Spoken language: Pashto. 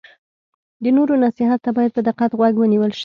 د نورو نصیحت ته باید په دقت غوږ ونیول شي.